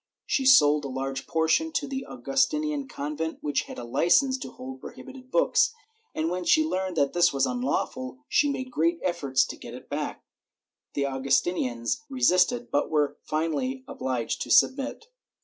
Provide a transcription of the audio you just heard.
She sold a large portion to the Augustinian convent, which had a licence to hold prohibited books, and when she learned that this was unlawful she made great efforts to get it back; the Augustinians resisted but were finally obhged to submit.